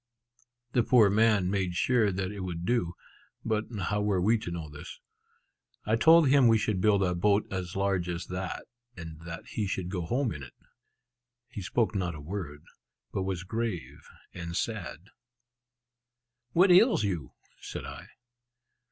The poor man made sure that it would do. But how were we to know this? I told him we should build a boat as large as that, and that he should go home in it. He spoke not a word, but was grave and sad. "What ails you?" said I.